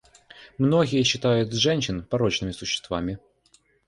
Многие считают женщин порочными существами.